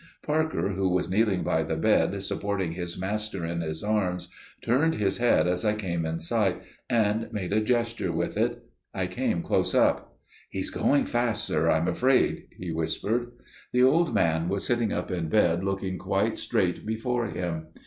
Parker, who was kneeling by the bed, supporting his master in his arms, turned his head as I came in sight, and made a gesture with it. I came close up. "He's going fast, sir, I'm afraid," he whispered. The old man was sitting up in bed looking quite straight before him.